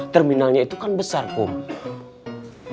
terminalnya itu kan besar kok